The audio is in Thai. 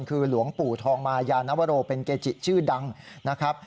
คือหลวงปู่ทองมายานวโรเป็นเกจิชื่อดังนะครับ